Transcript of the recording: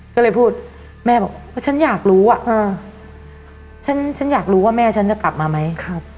ก็เลยพูดแม่บอกว่าฉันอยากรู้อ่ะฉันอยากรู้ว่าแม่ฉันจะกลับมาไหม